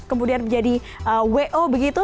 kemudian menjadi wo begitu